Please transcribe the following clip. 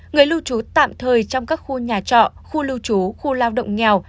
người lưu trú tạm thời trong các khu nhà trọ khu lưu trú khu lao động nghèo